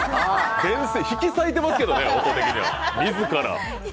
引き裂いてますけどね音的には、自ら。